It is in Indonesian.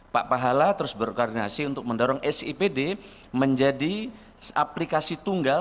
pak pahala terus berkoordinasi untuk mendorong sipd menjadi aplikasi tunggal